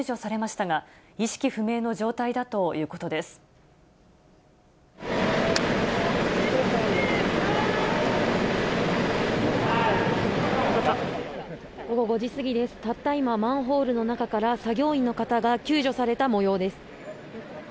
たった今、マンホールの中から作業員の方が救助されたもようです。